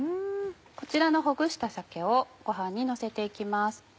こちらのほぐした鮭をご飯にのせて行きます。